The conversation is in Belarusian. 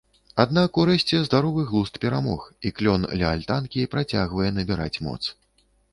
Аднак урэшце здаровы глузд перамог і клён ля альтанкі працягвае набіраць моц.